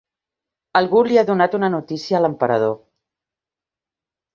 Algú li ha donat una notícia a l'Emperador.